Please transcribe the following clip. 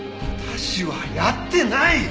私はやってない！